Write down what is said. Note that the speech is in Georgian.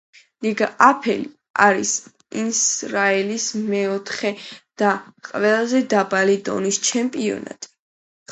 ლიგა ალეფი არის ისრაელის მეოთხე და ყველაზე დაბალი დონის ჩემპიონატი.